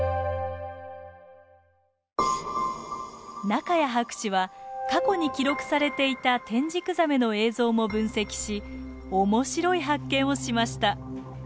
仲谷博士は過去に記録されていたテンジクザメの映像も分析し面白い発見をしました。